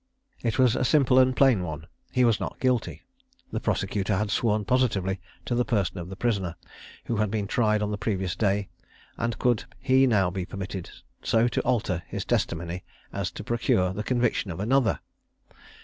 It was a simple and plain one; "he was not guilty. The prosecutor had sworn positively to the person of the prisoner, who had been tried on the previous day, and could he now be permitted so to alter his testimony, as to procure the conviction of another?